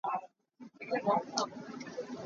Phaisa cu phaisabawm ah a chiah.